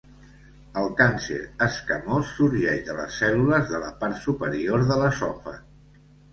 El càncer esquamós sorgeix de les cèl·lules de la part superior de l'esòfag.